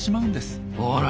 ほら！